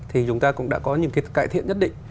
thì chúng ta cũng đã có những cái cải thiện nhất định